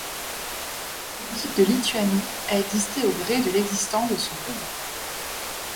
L'équipe de Lituanie a existé au gré de l'existence de son pays.